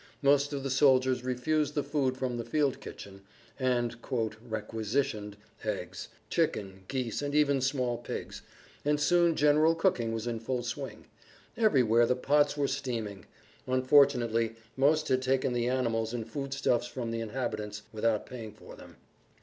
Most of the soldiers refused the food from the field kitchen, and "requisitioned" eggs, chicken, geese, and even small pigs, and soon general cooking was in full swing.[Pg 34] Everywhere the pots were steaming. Unfortunately most had taken the animals and foodstuffs from the inhabitants without paying for them.